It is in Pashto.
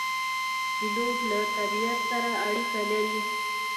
پیلوټ له طبیعت سره اړیکه لري.